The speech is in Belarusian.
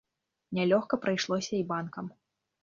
Нялёгка прыйшлося і банкам.